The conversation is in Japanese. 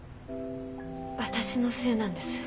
私のせいなんです。